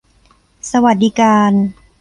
สวัสดิการ